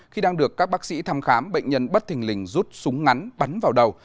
khi đang được các bác sĩ thăm khám bệnh nhân bất thình lình rút súng ngắn bắn vào đầu